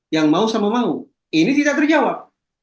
yang mau sama mau ini tidak terjawab